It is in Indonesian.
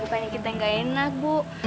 bukan kita yang gak enak bu